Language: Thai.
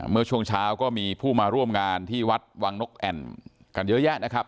เมื่อช่วงเช้าก็มีผู้มาร่วมงานที่วัดวังนกแอ่นกันเยอะแยะนะครับ